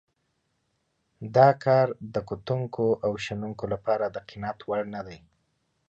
دا کار د کتونکو او شنونکو لپاره د قناعت وړ نه دی.